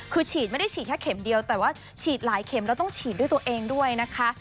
คือฉีดไม่ได้ฉีดแค่เข็มเดียวแต่ว่าฉีดหลายเข็มแล้วต้องฉีดด้วยตัวเองด้วยนะคะ